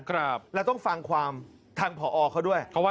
ก็ต้องฟังความทางพ่ออเขาด้วย